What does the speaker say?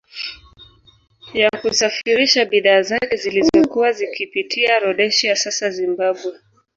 Ya kusafirisha bidhaa zake zilizokuwa zikipitia Rhodesia sasa Zimbabwe